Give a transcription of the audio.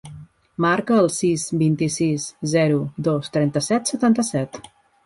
Marca el sis, vint-i-sis, zero, dos, trenta-set, setanta-set.